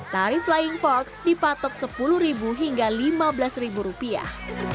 tarif flying fox dipatok sepuluh hingga lima belas rupiah